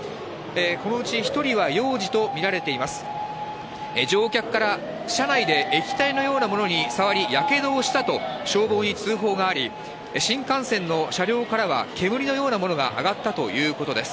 このうち１人は幼児と見られています。